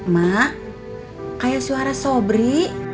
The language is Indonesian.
ma kayak suara sobri